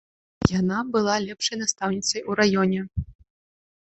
Яна была лепшай настаўніцай у раёне.